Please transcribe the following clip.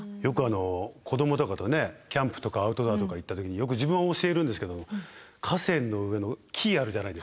子どもとかとキャンプとかアウトドアとか行った時によく自分は教えるんですけど河川の上の木あるじゃないですか。